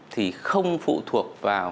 thì không phụ thuộc vào